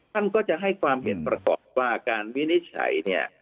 ท่านก็จะให้ความเห็นประกอบว่าการวินิจฉัยเนี่ย